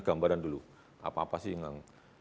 gambaran dulu apa apa sih yang